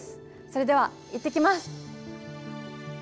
それでは行ってきます。